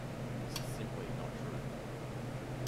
This is simply not true.